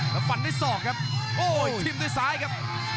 แล้วฟันด้วยศอกครับโอ้ชิมด้วยซ้ายครับ